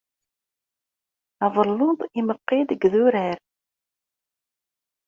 Abelluḍ imeqqi-d deg yidurar